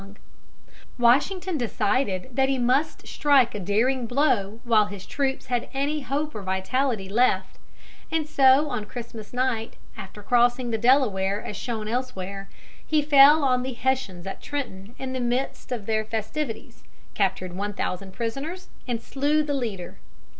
] Washington decided that he must strike a daring blow while his troops had any hope or vitality left; and so on Christmas night, after crossing the Delaware as shown elsewhere, he fell on the Hessians at Trenton in the midst of their festivities, captured one thousand prisoners, and slew the leader.